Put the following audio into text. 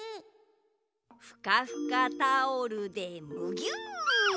ふかふかタオルでむぎゅ。